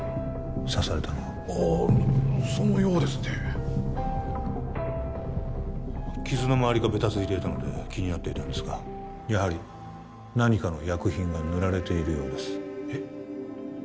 刺されたのはああそのようですね傷の周りがベタついていたので気になっていたんですがやはり何かの薬品が塗られているようですえっ？